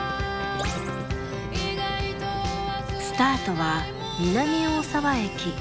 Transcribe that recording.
スタートは南大沢駅。